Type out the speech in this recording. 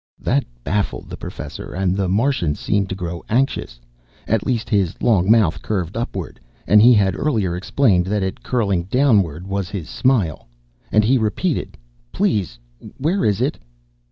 That baffled the Professor and the Martian seemed to grow anxious at least his long mouth curved upward, and he had earlier explained that it curling downward was his smile and he repeated, "Please, where is it?"